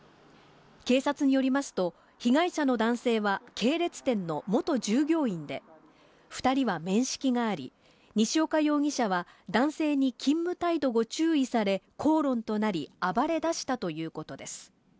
警察によりますと、被害者の男性は系列店の元従業員で、２人は面識があり、西岡容疑者は、男性に勤務態度を注意され、口論となり、暴れ出したということです。